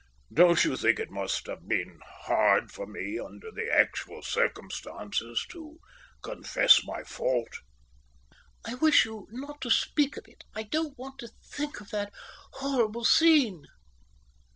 Don't you think it must have been hard for me, under the actual circumstances, to confess my fault?" "I wish you not to speak of it. I don't want to think of that horrible scene."